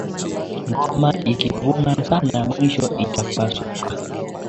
Ngoma iki vuma sana mwisho ita pasuka